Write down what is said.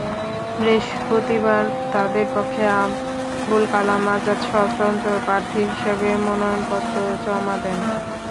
বৃহস্পতিবার তাঁদের পক্ষে আবুল কালাম আজাদ স্বতন্ত্র প্রার্থী হিসেবে মনোনয়নপত্র জমা দেন।